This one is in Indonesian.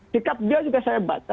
sikap dia juga saya baca